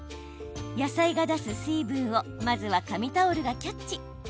野菜が出す水分をまずは紙タオルがキャッチ。